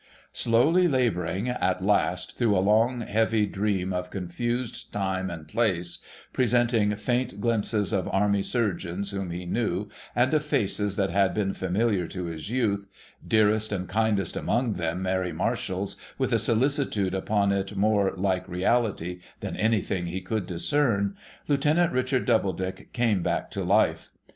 Slowly labouring, at last, through a long, heavy dream of confused time and place, presenting faint glimpses of army surgeons whom he knew, and of faces that had been familiar to his youth,^ — dearest and kindest among them, Mary Marshall's, with a solicitude upon it more like reality than anything he could discern, — Lieutenant Richard Doubledick came back to life.